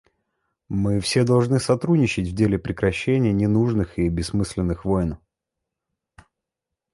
Мы все должны сотрудничать в деле прекращения ненужных и бессмысленных войн.